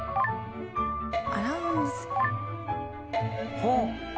ほう！